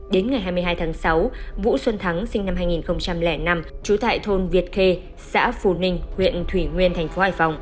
đến ngày hai mươi hai tháng sáu vũ xuân thắng sinh năm hai nghìn năm trú tại thôn việt khê xã phù ninh huyện thủy nguyên thành phố hải phòng